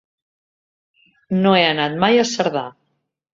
No he anat mai a Cerdà.